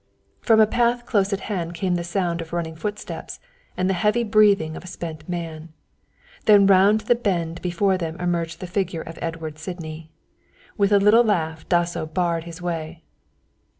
From a path close at hand came the sound of running footsteps and the heavy breathing of a spent man. Then round the bend before them emerged the figure of Edward Sydney. With a little laugh Dasso barred his way.